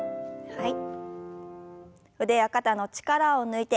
はい。